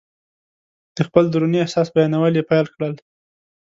د خپل دروني احساس بیانول یې پیل کړل.